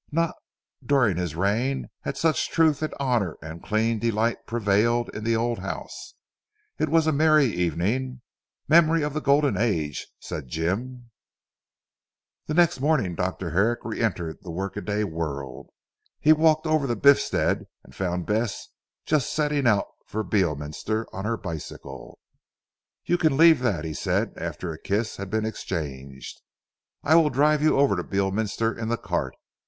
Not during his reign had such truth and honour and clean delight prevailed in the old house. It was a merry evening. "Memory of the Golden Age," said Jim. The next morning Dr. Herrick re entered the work a day world. He walked over to Biffstead and found Bess just setting out for Beorminster on her bicycle. "You can leave that," he said after a kiss had been exchanged, "I will drive you over to Beorminster in the cart.